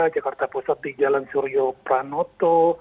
jakarta pusat di jalan suryo pranoto